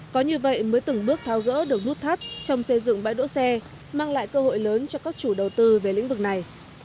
có như vậy mới từng bước tháo gỡ được nút thắt trong xây dựng bãi đỗ xe mang lại cơ hội lớn cho các chủ đầu tư về lĩnh vực này